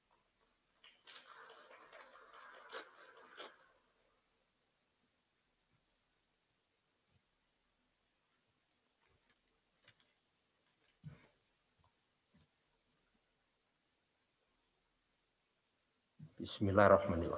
bapak ibu hadirin yang berbahagia baik yang mengikuti acara ini secara virtual